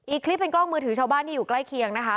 อีกคลิปเป็นกล้องมือถือชาวบ้านที่อยู่ใกล้เคียงนะคะ